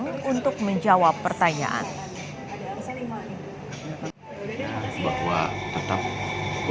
hai untuk melakukan penyelesaian dan penyelesaian tersebut di rumah sakit di rumah sakit di rumah sakit